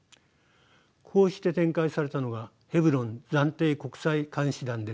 こうして展開されたのがヘブロン暫定国際監視団です。